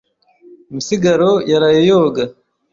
Misigaro yaraye yoga.